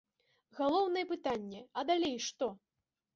Галоўнае пытанне, а далей што?